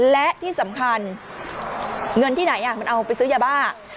และที่สำคัญเงินที่ไหนมันเอาไปซื้อยาบ้า